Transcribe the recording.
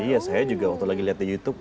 iya saya juga waktu lagi lihat di youtube